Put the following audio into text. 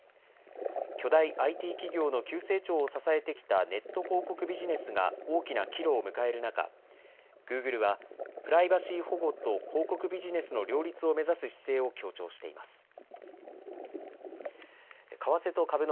巨大ＩＴ企業の急成長を支えてきたネット広告ビジネスが大きな岐路を迎える中、グーグルはプライバシー保護と広告ビジネスの両立を目指す姿勢を強調しています。